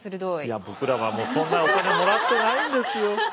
いや僕らはもうそんなお金もらってないんですよ。